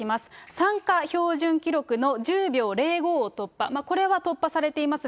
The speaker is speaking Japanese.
参加標準記録の１０秒０５を突破、これは突破されていますが。